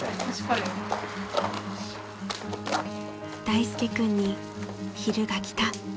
［大介君に昼がきた］